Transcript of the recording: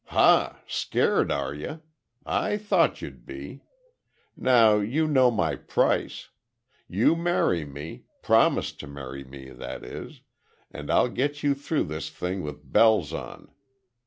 "Hah! Scared, are you? I thought you'd be! Now, you know my price. You marry me—promise to marry me, that is, and I'll get you through this thing with bells on.